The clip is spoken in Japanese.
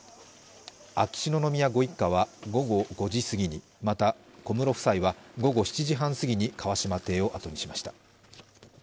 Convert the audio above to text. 秋篠宮ご一家は午後５時すぎに、また、小室夫妻は午後７時半すぎに川嶋邸を後にしました。